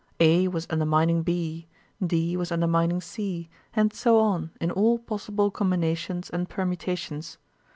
A was undermining B, D was undermining C, and so on in all possible combinations and permutations.